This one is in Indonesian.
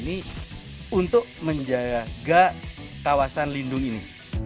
dan ini untuk menjaga kawasan lindung ini